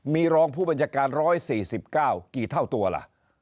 มีรองผู้บัญชาการ๑๔๙กี่เท่าตัวล่ะ